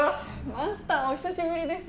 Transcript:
マスターお久しぶりです。